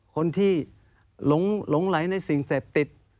คนที่หลงไหลในสิ่งเสพติด